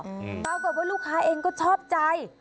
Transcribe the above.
ก็เหมือนว่าลูกค้าเองก็ชอบใจ